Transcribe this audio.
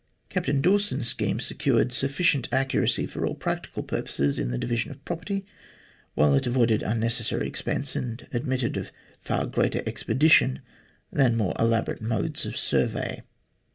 Captain Dawson's scheme secured sufficient accuracy for all practical purposes in the division of property, while it avoided unnecessary expense and admitted of far greater expedition than more elaborate modes of survey.